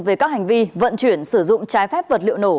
về các hành vi vận chuyển sử dụng trái phép vật liệu nổ